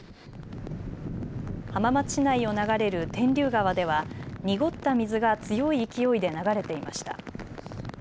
浜松市内を流れる天竜川では濁った水が強い勢いで流れていました。